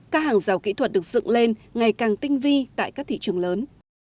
các hàng rào kỹ thuật được dựng lên ngày càng tinh vi tại các thị trường lớn